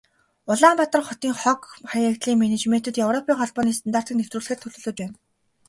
Улаанбаатар хотын хог, хаягдлын менежментэд Европын Холбооны стандартыг нэвтрүүлэхээр төлөвлөж байна.